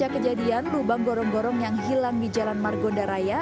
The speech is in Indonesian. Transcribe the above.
sejak kejadian lubang gorong gorong yang hilang di jalan margonda raya